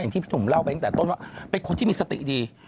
ที่พี่หนุ่มเล่าไปตั้งแต่ต้นว่าเป็นคนที่มีสติดี